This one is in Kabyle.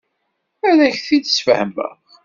Ad ak-t-id-sfehmeɣ.